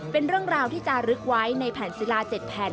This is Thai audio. เป็นเรื่องราวที่จะลึกไว้ในแผ่นศิลา๗แผ่น